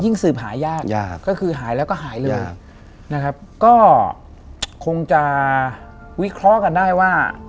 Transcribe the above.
นะครับก็คงจะวิเคราะห์กันได้ว่า